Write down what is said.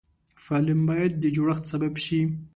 فلم باید د جوړښت سبب شي